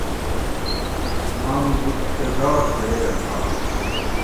آم بُج کہ ذات چریر آش